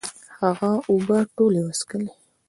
هغه اوبه ټولي وڅکلي